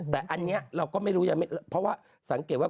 แต่อันนี้เราก็ไม่รู้ยังเพราะว่าสังเกตว่า